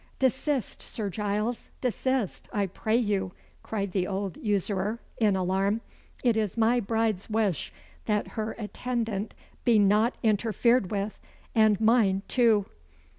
"Desist, Sir Giles desist, I pray you!" cried the old usurer, in alarm. "It is my bride's wish that her attendant be not interfered with and mine too."